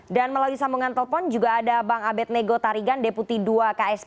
dan melalui sambungan telpon juga ada bang abed nego tarigan deputi dua ksp